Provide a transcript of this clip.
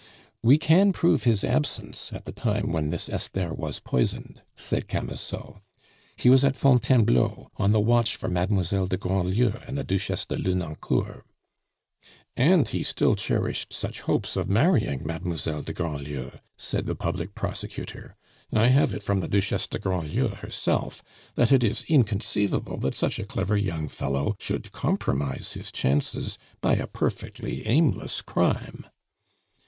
"We can prove his absence at the time when this Esther was poisoned," said Camusot. "He was at Fontainebleau, on the watch for Mademoiselle de Grandlieu and the Duchesse de Lenoncourt." "And he still cherished such hopes of marrying Mademoiselle de Grandlieu," said the Public Prosecutor "I have it from the Duchesse de Grandlieu herself that it is inconceivable that such a clever young fellow should compromise his chances by a perfectly aimless crime."